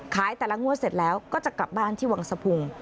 ขายแต่ละงวดเสร็จแล้วก็จะกลับบ้านที่วังสะพุง